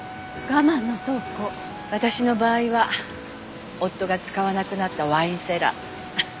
私の場合は夫が使わなくなったワインセラー。